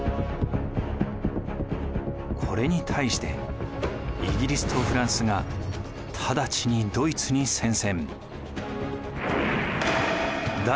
これに対してイギリスとフランスが直ちにドイツに宣戦。